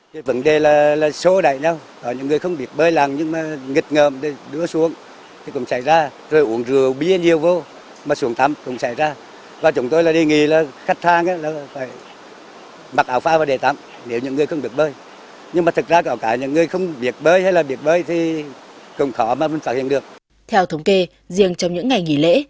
theo thống kê riêng trong những ngày nghỉ lễ